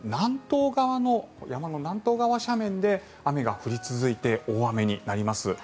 特に山の南東側の斜面で雨が降り続いて大雨になります。